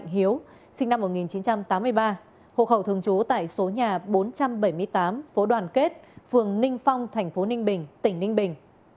hộ khẩu thường chú tại số nhà bốn trăm bảy mươi tám phố đoàn kết phường ninh phong tp ninh bình tỉnh ninh bình